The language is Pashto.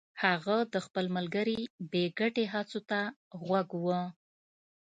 هغه د خپل ملګري بې ګټې هڅو ته غوږ و